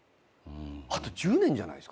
あと１０年じゃないっすか。